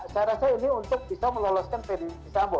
saya rasa ini untuk bisa meloloskan verdi sambo